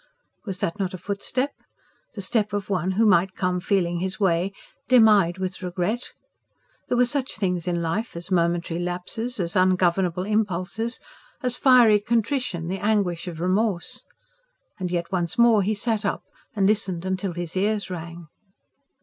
Was that not a footstep? ... the step of one who might come feeling his way... dim eyed with regret? There were such things in life as momentary lapses, as ungovernable impulses as fiery contrition ... the anguish of remorse. And yet, once more, he sat up and listened till his ears rang.